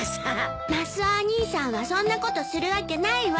マスオお兄さんはそんなことするわけないわ。